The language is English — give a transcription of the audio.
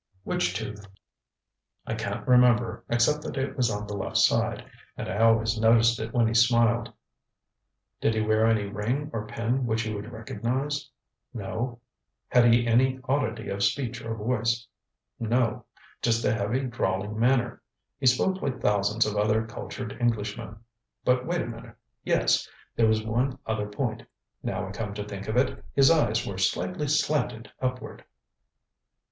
ŌĆØ ŌĆ£Which tooth? ŌĆØ ŌĆ£I can't remember, except that it was on the left side, and I always noticed it when he smiled. ŌĆØ ŌĆ£Did he wear any ring or pin which you would recognize? ŌĆØ ŌĆ£No.ŌĆØ ŌĆ£Had he any oddity of speech or voice? ŌĆØ ŌĆ£No. Just a heavy, drawling manner. He spoke like thousands of other cultured Englishmen. But wait a minute yes! There was one other point. Now I come to think of it, his eyes very slightly slanted upward.